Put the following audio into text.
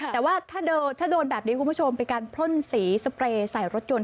แต่ว่าถ้าโดนแบบนี้คุณผู้ชมเป็นการพ่นสีสเปรย์ใส่รถยนต